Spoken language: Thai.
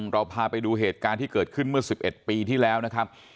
เราพาไปดูเหตุการณ์ที่เกิดขึ้นเมื่อ๑๑ปีที่แล้วนะครับ